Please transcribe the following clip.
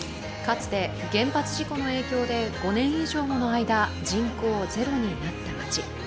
かつて原発事故の影響で５年以上もの間、人口ゼロになった町。